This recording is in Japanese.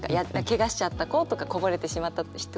ケガしちゃった子とかこぼれてしまった人とか。